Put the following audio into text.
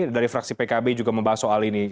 dari fraksi pkb juga membahas soal ini